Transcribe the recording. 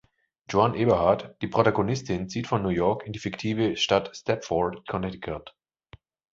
Joanne Eberhard, die Protagonistin, zieht von New York in die fiktive Stadt Stepford, Connecticut.